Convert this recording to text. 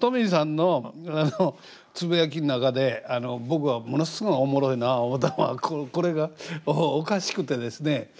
Ｔｏｍｙさんのつぶやきの中で僕がものすごいおもろいな思ったのはこれがおかしくてですね。